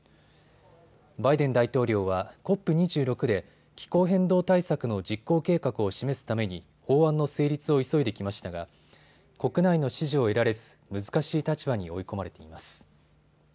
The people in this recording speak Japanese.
バイデン大統領はＣＯＰ２６で気候変動対策の実行計画を示すために法案の成立を急いできましたが国内の支持を得られず難しい立場に追い込まれています。